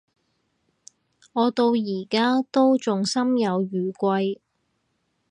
我到而家都仲心有餘悸